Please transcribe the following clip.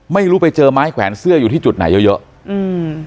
ไม่รู้ไปเจอไม้แขวนเสื้ออยู่ที่จุดไหนเยอะเยอะอืม